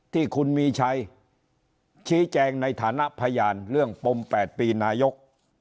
ที่คุณมีชัยชี้แจงในฐานะพยานเรื่องปม๘ปีนายก